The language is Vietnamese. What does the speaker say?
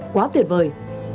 quá tuyệt vời